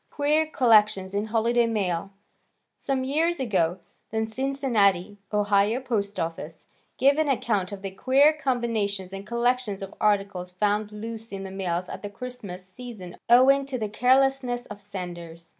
Queer Collection in Holiday Mail Some years ago, the Cincinnati, Ohio, post office, gave an account of the queer combinations and collections of articles found loose in the mails at the Christmas season owing to the carelessness of senders.